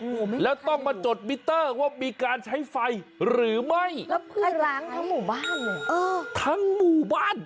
ไม่มีใครอยู่